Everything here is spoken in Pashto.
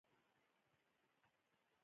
خاورین وویل که نږدې شم نو مات به شم.